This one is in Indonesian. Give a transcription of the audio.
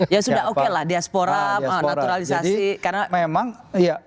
ya sudah oke lah diaspora naturalisasi